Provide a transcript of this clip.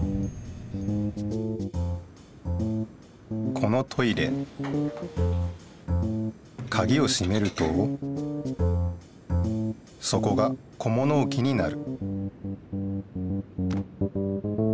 このトイレカギをしめるとそこが小物置きになる